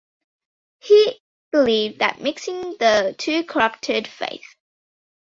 He believed that mixing the two corrupted faith.